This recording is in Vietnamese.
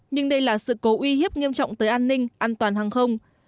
nhưng đây là sự cố uy hiếp nghiêm trọng tới an ninh an toàn hàng không